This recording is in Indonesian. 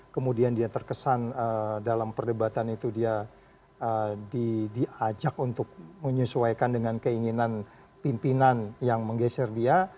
kemudian dia terkesan dalam perdebatan itu dia diajak untuk menyesuaikan dengan keinginan pimpinan yang menggeser dia